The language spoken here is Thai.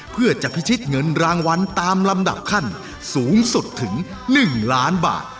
เพื่อจะพิชิตเงินรางวัลตามลำดับขั้นสูงสุดถึง๑ล้านบาท